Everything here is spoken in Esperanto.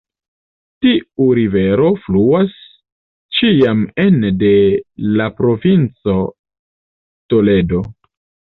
Tiu rivero fluas ĉiam ene de la provinco Toledo.